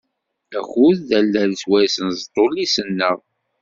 Akud d allal swayes nzeṭṭ ullis-nneɣ.